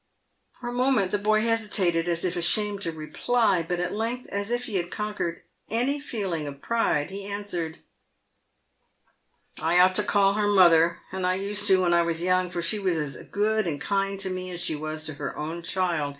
For a moment the boy hesitated, as if ashamed to reply ; but at length, a3 if he had conquered any feeling of pride, he answered, " I ought to call her mother ; and I used to when I was young, for she was as good and kind to me as she was to her own child.